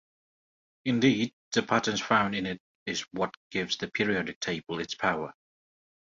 Indeed, the patterns found in it is what gives the periodic table its power.